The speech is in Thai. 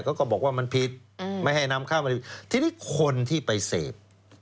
เขาก็บอกว่ามันผิดอืมไม่ให้นำเข้ามาที่นี่คนที่ไปเสพ